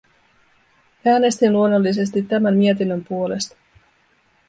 Äänestin luonnollisesti tämän mietinnön puolesta.